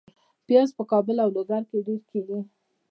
پیاز په کابل او لوګر کې ډیر کیږي